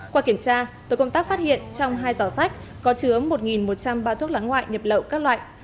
qua kiểm tra tổ công tác phát hiện trong hai giỏ sách có chứa một một trăm linh bao thuốc lá ngoại nhập lậu các loại